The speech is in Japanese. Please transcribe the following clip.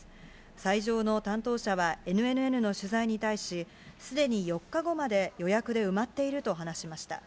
斎場の担当者はＮＮＮの取材に対し、すでに４日後まで予約で埋まっていると話しました。